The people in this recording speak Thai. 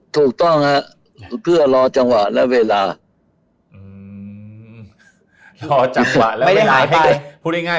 ถูกต้องครับเพื่อรอจังหวะและเวลา